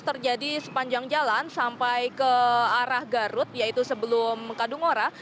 terjadi sepanjang jalan sampai ke arah garut yaitu sebelum kadungora